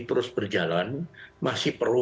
terus berjalan masih perlu